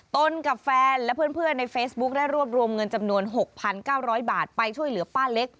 กับแฟนและเพื่อนในเฟซบุ๊คได้รวบรวมเงินจำนวน๖๙๐๐บาทไปช่วยเหลือป้าเล็ก